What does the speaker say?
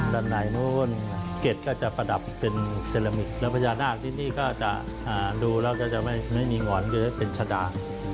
ด้านในนู้นเก็ตก็จะประดับเป็นเซรามิกแล้วพญานาคที่นี่ก็จะดูแล้วก็จะไม่มีหงอนก็จะเป็นชะดา